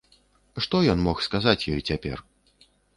Што ён мог сказаць ёй цяпер?